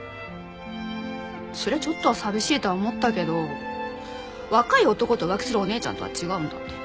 そりゃちょっとは寂しいとは思ったけど若い男と浮気するお姉ちゃんとは違うんだって。